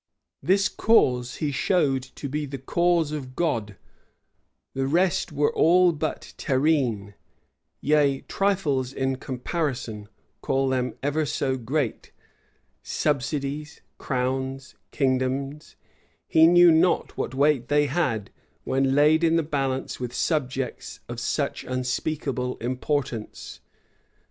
This cause he showed to be the cause of God; the rest were all but terrene, yea, trifles in comparison, call them ever so great: subsidies, crowns, kingdoms, he knew not what weight they had, when laid in the balance with subjects of such unspeakable importance.